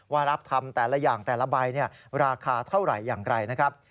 ว่ารับทำแต่ละอย่างแต่ละใบราคาเท่าไหร่อย่างไรนะครับ